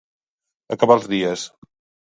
Acabar els dies.